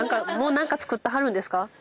もう何か作ってはるんですか？